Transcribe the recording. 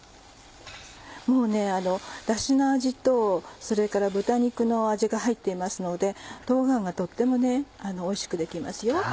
もうダシの味とそれから豚肉の味が入っていますので冬瓜がとってもおいしくできますよ。